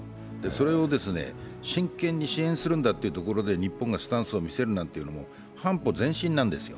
それを真剣に支援するんだというところで日本がスンタスを見せるなんていうのは半歩前半なんですよ。